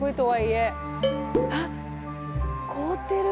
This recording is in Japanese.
えっ凍ってる。